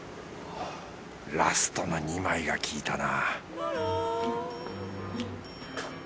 ラストの２枚がきいたな